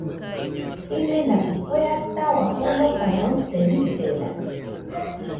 Jimenakɨ kue atahua sonokana uite, rillena